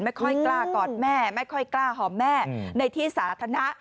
ไม่ค่อยกล้ากอดแม่ไม่ค่อยกล้าหอมแม่ในที่สาธารณะ